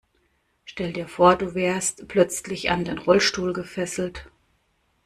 Stell dir vor, du wärst plötzlich an den Rollstuhl gefesselt.